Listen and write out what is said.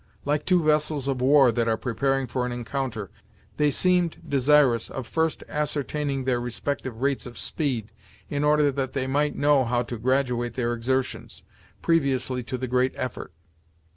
Like two vessels of war that are preparing for an encounter, they seemed desirous of first ascertaining their respective rates of speed, in order that they might know how to graduate their exertions, previously to the great effort.